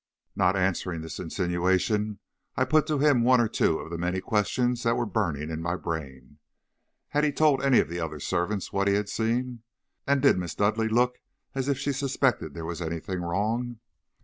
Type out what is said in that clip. "Not answering this insinuation, I put to him one or two of the many questions that were burning in my brain. Had he told any of the other servants what he had seen? And did Miss Dudleigh look as if she suspected there was anything wrong?